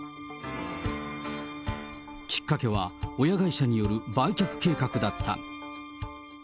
きっかけは親会社による売却計画だった。